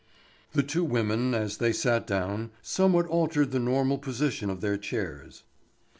The two women as they sat down somewhat altered the normal position of their chairs.